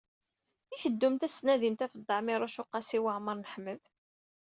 I teddumt ad d-tnadimt ɣef Dda Ɛmiiruc u Qasi Waɛmer n Ḥmed?